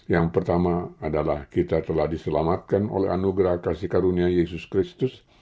yang pertama adalah kita telah diselamatkan oleh anugerah kasih karunia yesus kristus